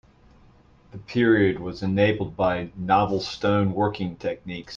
The period was enabled by novel stone working techniques.